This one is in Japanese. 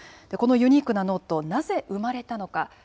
このユニークなノート、なぜ生まれたのか。